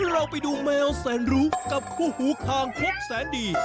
เราไปดูแมวแสนรู้กับคู่หูคางคกแสนดี